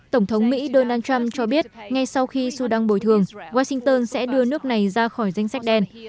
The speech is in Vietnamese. tổng thống mỹ donald trump cho biết ngay sau khi sudan bồi thường washington sẽ đưa nước này ra khỏi danh sách đen